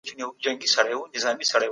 سالم ذهن وخت نه زیانمنوي.